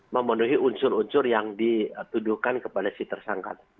memenuhi unsur unsur yang dituduhkan kepada si tersangka